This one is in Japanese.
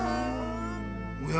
おや？